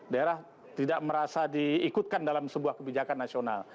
daerah tidak merasa diikutkan dalam sebuah kebijakan nasional